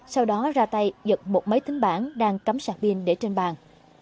sau đó ra tay giật một máy tính bản đang cắm sạc pin để trên bàn